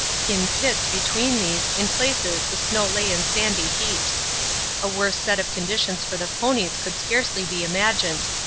In pits between these in places the snow lay in sandy heaps. A worse set of conditions for the ponies could scarcely be imagined.